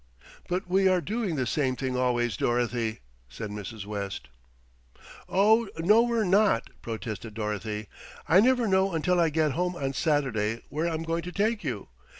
"But we are doing the same things always, Dorothy," said Mrs. West. "Oh! no we're not," protested Dorothy. "I never know until I get home on Saturday where I'm going to take you.